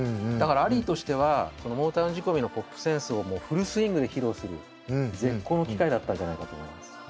だからアリーとしてはモータウン仕込みのポップセンスをもうフルスイングで披露する絶好の機会だったんじゃないかと思います。